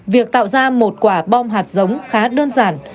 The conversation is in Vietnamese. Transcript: việc tạo ra một quả bom hạt giống khá đơn giản